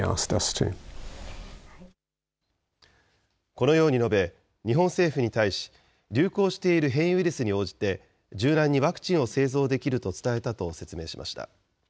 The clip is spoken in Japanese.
このように述べ、日本政府に対し、流行している変異ウイルスに応じて、柔軟にワクチンを製造できると伝えたと説明しました。